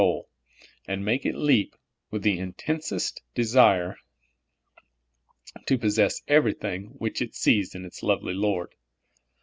soul, and make it leap with intensest desire to possess everything which it sees in its lovely Lord.